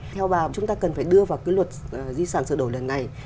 theo bà chúng ta cần phải đưa vào cái luật di sản sửa đổi lần này